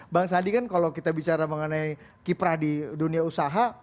bang sandi kan kalau kita bicara mengenai kiprah di dunia usaha